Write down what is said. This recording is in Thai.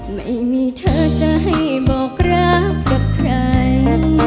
ไม่มีเธอจะให้บอกรักกับใคร